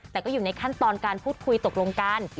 แต่ก็อยู่ในขั้นตอนการพูดคุยตกลงกัน